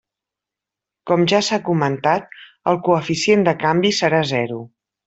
Com ja s'ha comentat, el coeficient de canvi serà zero.